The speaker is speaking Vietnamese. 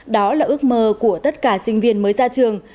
đó là ước mơ của tất cả sinh viên mới ra trường